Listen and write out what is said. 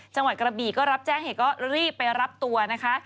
จังหวัดกระบีก็รับแจ้งเหตุก็รีบไปรับตัวนะคะ